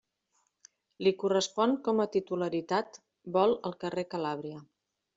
Li correspon com a titularitat, vol al carrer Calàbria.